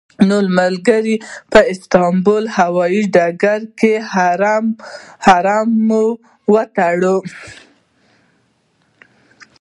نورو ملګرو په استانبول هوایي ډګر کې احرامونه وتړل.